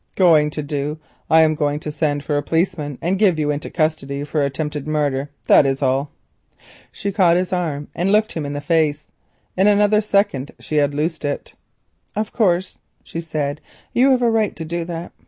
"Going to do? I am going to send for a policeman and give you into custody for attempted murder, that is all." She caught his arm and looked him in the face. In another second she had loosed it. "Of course," she said, "you have a right to do that.